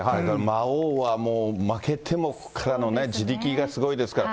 魔王はもう、負けてもここからの地力がすごいですから。